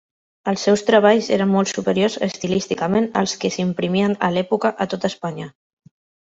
Els seus treballs eren molt superiors estilísticament als que s'imprimien a l'època a tota Espanya.